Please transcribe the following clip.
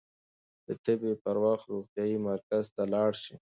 د تبې پر وخت روغتيايي مرکز ته لاړ شئ.